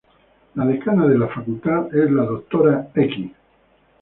La decana de la Facultad es la Dra.